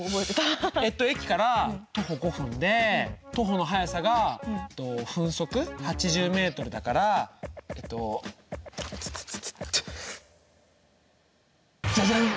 えっと駅から徒歩５分で徒歩の速さが分速８０ｍだからえっとじゃじゃん！